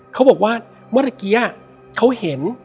เขาบอกว่าเมื่อตะกี้เขาเห็น